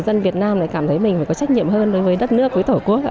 dân việt nam này cảm thấy mình phải có trách nhiệm hơn đối với đất nước với thổ quốc